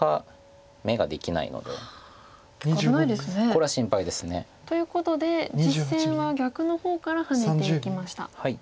これは心配です。ということで実戦は逆の方からハネていきました。